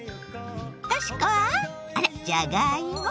とし子はあらじゃがいも？